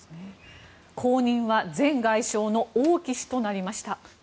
後任は前外相の王毅氏となりました。